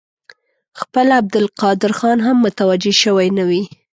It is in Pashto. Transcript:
خپله عبدالقادر خان هم متوجه شوی نه وي.